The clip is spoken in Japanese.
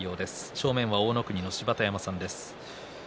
正面は大乃国の芝田山さんです。